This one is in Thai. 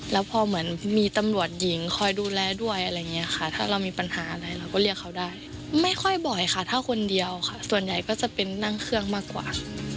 แล้วพอเหมือนมีตำรวจหญิงคอยดูแลด้วยอะไรอย่างนี้ค่ะถ้าเรามีปัญหาอะไรเราก็เรียกเขาได้ไม่ค่อยบ่อยค่ะถ้าคนเดียวค่ะส่วนใหญ่ก็จะเป็นนั่งเครื่องมากกว่า